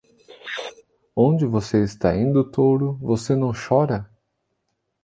Onde você está indo, touro, você não chora?